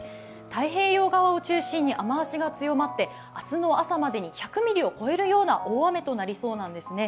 太平洋側を中心に雨足が強まって明日の朝までに１００ミリを超えるような大雨となりそうなんですね。